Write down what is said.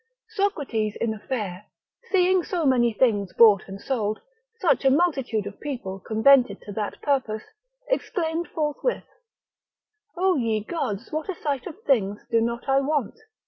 Socrates in a fair, seeing so many things bought and sold, such a multitude of people convented to that purpose, exclaimed forthwith, O ye gods what a sight of things do not I want?